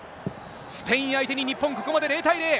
スペイン相手に日本、ここまで０対０。